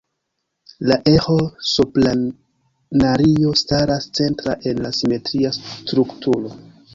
La eĥo-sopranario staras centra en la simetria strukturo.